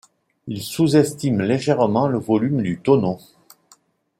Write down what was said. Il sous-estime légèrement le volume du tonneau.